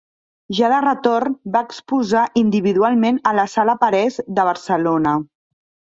Ja de retorn, va exposar individualment a la Sala Parés de Barcelona.